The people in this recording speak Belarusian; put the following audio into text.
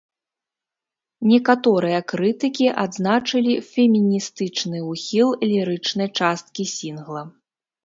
Некаторыя крытыкі адзначылі феміністычны ухіл лірычнай часткі сінгла.